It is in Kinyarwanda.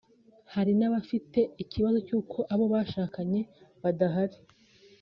hari n’abafite ikibazo cy’uko abo bashakanye badahari